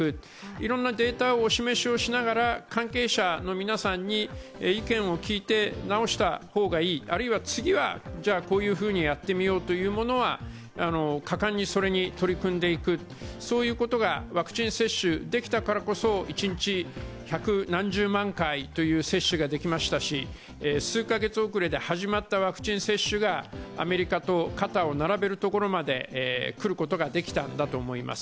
いろんなデータをお示しをしながら関係者の皆さんに意見を聞いて、直した方がいい、あるいは次はこういうふうにやってみようというものは果敢にそれに取り組んでいく、そういうことがワクチン接種できたからこそ一日百何十万回の接種ができましたし、数カ月遅れで始まったワクチン接種がアメリカと肩を並べるところまで来ることができたんだと思います。